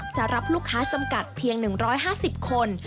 จะรับลูกค้าจำกัดเพียง๑๕๐คน